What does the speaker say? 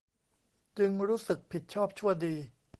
จึงรู้สึกผิดชอบชั่วดี